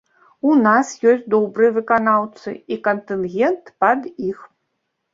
У нас ёсць добрыя выканаўцы і кантынгент пад іх.